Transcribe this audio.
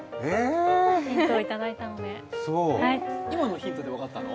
今のヒントで分かったの？